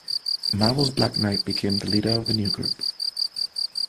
Marvel's Black Knight became the leader of the new group.